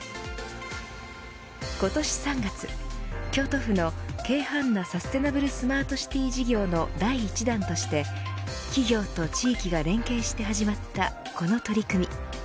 今年３月、京都府のけいはんなサステナブルスマートシティ事業の第１弾として企業と地域が連携して始まったこの取り組み。